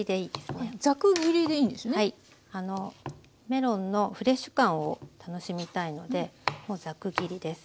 メロンのフレッシュ感を楽しみたいのでもうザク切りです。